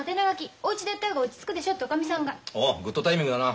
おおグッドタイミングだな。